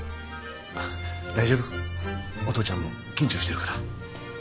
大丈夫お父ちゃんも緊張してるから。